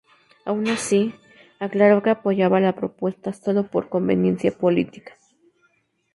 Aun así, aclaró que apoyaba la propuesta sólo por conveniencia política.